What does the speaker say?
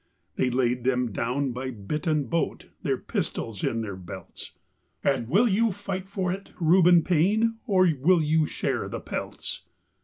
They laid them down by bitt and boat, their pistols in their belts, And: "Will you fight for it, Reuben Paine, or will you share the pelts?"